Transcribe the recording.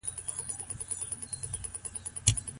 مطالعه انسان د فکر لوړو پوړیو ته رسوي.